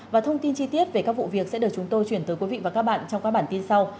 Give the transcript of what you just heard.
và thông tin chi tiết về các vụ việc sẽ được chúng tôi chuyển tới quý vị và các bạn trong các bản tin sau